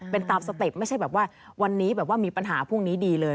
เป็นตามสเต็ปไม่ใช่แบบว่าวันนี้แบบว่ามีปัญหาพรุ่งนี้ดีเลย